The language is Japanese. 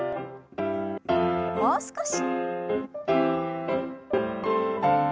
もう少し。